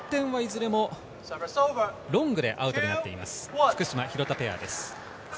失点はいずれもロングでアウトになっています、福島・廣田ペアです。